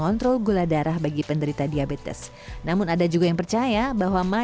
ini adalah kenyataan yang paling tidak difikirkan oleh menjual madu pada harian pma